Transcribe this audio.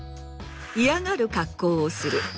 嫌がる格好をする。